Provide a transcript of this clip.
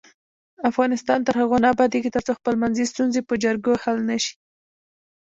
افغانستان تر هغو نه ابادیږي، ترڅو خپلمنځي ستونزې په جرګو حل نشي.